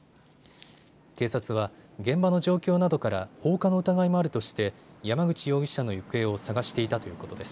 警察は現場の状況などから放火の疑いもあるとして山口容疑者の行方を捜していたということです。